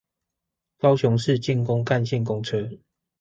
高雄市建工幹線公車